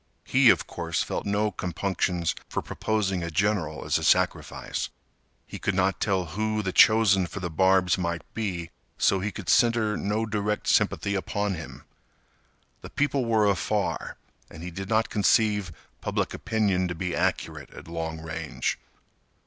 He of course felt no compunctions for proposing a general as a sacrifice. He could not tell who the chosen for the barbs might be, so he could center no direct sympathy upon him. The people were afar and he did not conceive public opinion to be accurate at long range.